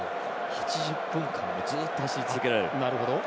８０分間ずっと走り続けられる。